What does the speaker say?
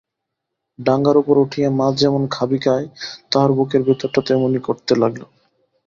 ডাঙার উপরে উঠিয়া মাছ যেমন খাবি খায়, তাহার বুকের ভিতরটা তেমনি করিতে লাগিল।